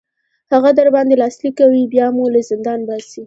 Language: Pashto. هغه در باندې لاسلیک کوي بیا مو له زندان باسي.